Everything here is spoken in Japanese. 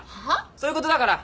そういうことだから。